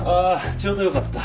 ちょうどよかった。